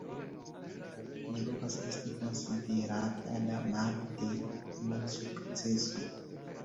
Ĝi povas esti konsiderata la malo de malsukceso.